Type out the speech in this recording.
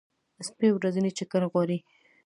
سپي ورځنی چکر غواړي.